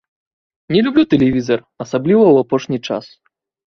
Не люблю тэлевізар, асабліва ў апошні час.